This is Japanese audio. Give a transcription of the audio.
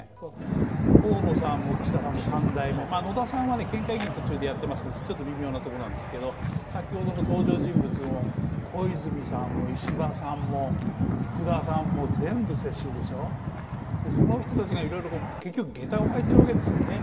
河野さんも岸田さんも３代目野田さんは県会議員を途中でやっていますのでちょっと微妙なところなんですけど、先ほどの登場人物の小泉さんも石破さんも福田さんも全部、世襲でしょう、その人たちがいろいろ、結局下駄を履いているわけですよね。